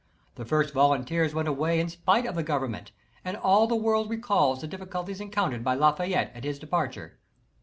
The first volunteers went away in spite of the Govern ment, and all the world recalls the difficulties encountered by Lafayette at his departure.